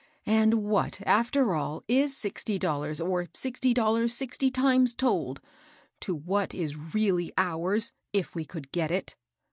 " And what, after all, is sixty dollars, or sixty dollars sixty times told, to what is really ourSy if we could get it